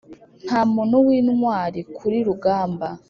ntamuntu wintwari kuri rugamba